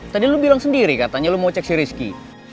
tadi lo bilang sendiri katanya lu mau cek si rizky